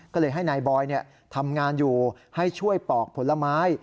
ก็เลยให้นายบอยทำงานอยู่ให้ช่วยปอกผลไม้